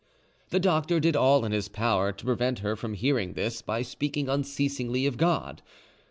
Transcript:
The doctor did all in his power to prevent her from hearing this by speaking unceasingly of God.